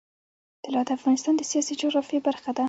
طلا د افغانستان د سیاسي جغرافیه برخه ده.